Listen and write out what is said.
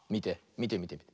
みてみてみて。